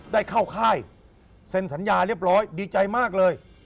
ได้เข้าค่ายเซ็นสัญญาเรียบร้อยดีใจมากเลย